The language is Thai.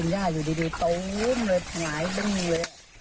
ดูโต๊ะมันเหมือนหลายตั้งมือ